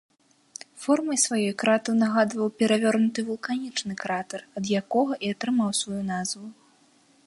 Формай сваёй кратар нагадваў перавернуты вулканічны кратар, ад якога і атрымаў сваю назву.